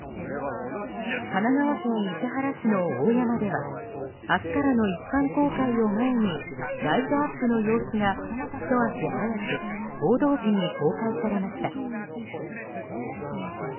神奈川県伊勢原市の大山では明日からの一般公開を前にライトアップの様子がひと足早く報道陣に公開されました。